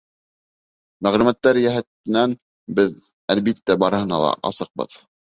Мәғлүмәттәр йәһәтенән беҙ, әлбиттә, барыһына ла асыҡбыҙ.